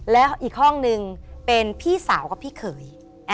แล้วอีกห้องนึงเป็นพี่สาวกับพี่เขย